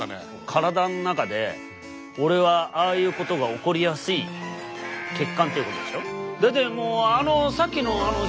体の中で俺はああいうことが起こりやすい血管っていうことでしょ？